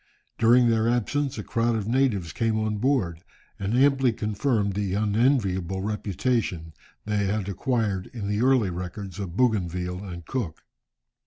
During their absence a crowd of natives came on board, and amply confirmed the unenviable reputation they had acquired in the earlier records of Bougainville and Cook.